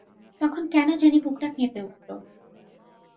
তখন কেন জানি বুকটা কেঁপে উঠল।